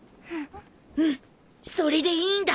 うんそれでいいんだ！